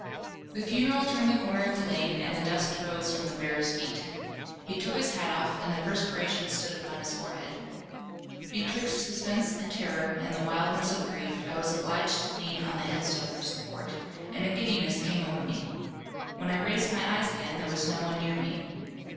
The funeral turned the corner of the lane, and the dust rose from the bearers' feet. He took his hat off, and the perspiration stood upon his forehead. Betwixt suspense and terror, and the wildness of grief, I was obliged to lean on the headstone for support, and a giddiness came over me. When I raised my eyes again, there was no one near me.